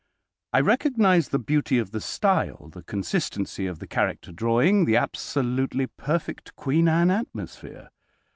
I recognize the beauty of the style, the consistency of the character drawing, the absolutely perfect Queen Anne atmosphere.